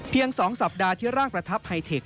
๒สัปดาห์ที่ร่างประทับไฮเทค